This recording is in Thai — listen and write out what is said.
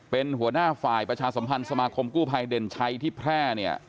เป็นหัวหน้าฝ่ายประชาสัมพันธ์สมาคมกู้ภัยเด่นชัยที่แพร่เนี่ย